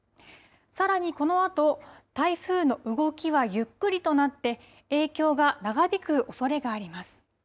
さらに、このあと台風の動きはゆっくりとなって影響が長引くおそれがあります。